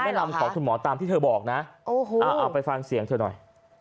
อันนี้คำแนะนำของทุนหมอตามที่เธอบอกนะเอาไปฟังเสียงเธอหน่อย